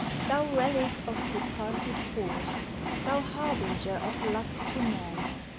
Thou relic of departed horse! Thou harbinger of luck to man!